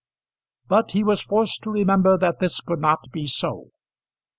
But he was forced to remember that this could not be so.